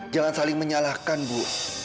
jangan saling menyalahkan bu